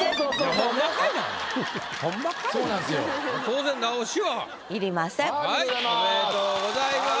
おめでとうございます。